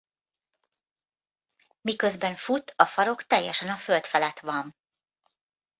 Miközben fut a farok teljesen a föld felett van.